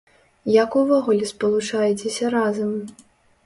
Як увогуле спалучаецеся разам?